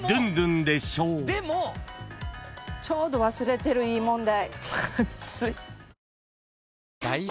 ちょうど忘れてるいい問題。